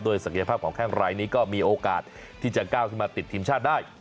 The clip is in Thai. ศักยภาพของแข้งรายนี้ก็มีโอกาสที่จะก้าวขึ้นมาติดทีมชาติได้